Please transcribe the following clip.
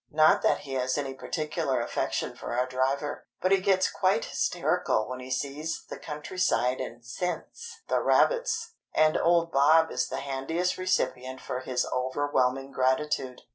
Not that he has any particular affection for our driver, but he gets quite hysterical when he sees the countryside and scents the rabbits; and old Bob is the handiest recipient for his overwhelming gratitude.